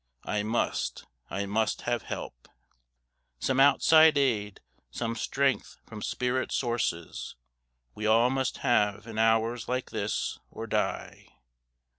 I must, I must have help! Some outside aid, some strength from spirit Sources, We all must have in hours like this, or die.